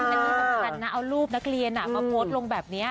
และที่สำคัญนะเอารูปนักเรียนมาโพสต์ลงแบบนี้